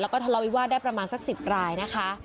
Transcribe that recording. แล้วก็ทะเลาวิวาสได้ประมาณสัก๑๐รายนะคะ